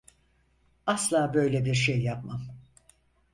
Asla böyle bir şey yapmam.